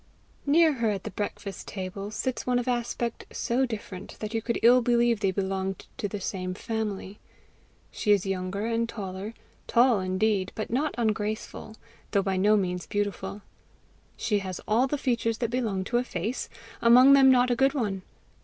Near her at the breakfast table sits one of aspect so different, that you could ill believe they belonged to the same family. She is younger and taller tall indeed, but not ungraceful, though by no means beautiful. She has all the features that belong to a face among them not a good one.